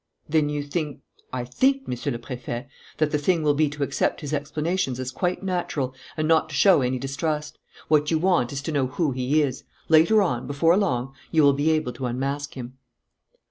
"Then you think " "I think, Monsieur le Préfet, that the thing will be to accept his explanations as quite natural and not to show any distrust. What you want is to know who he is. Later on, before long, you will be able to unmask him."